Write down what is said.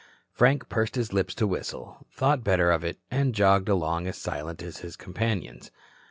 Frank pursed his lips to whistle, thought better of it, and jogged along as silent as his companions.